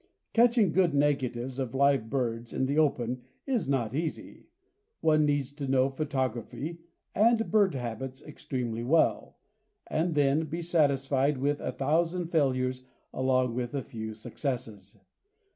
Catching good negatives of live birds in the open is not easy. One needs to know photography and bird habits extremely well, and then be satisfied with a thousand failures along with a few successes.